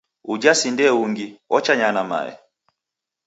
Uja si ndee ungi, ochanya na mae.